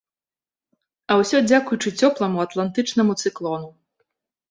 А ўсё дзякуючы цёпламу атлантычнаму цыклону.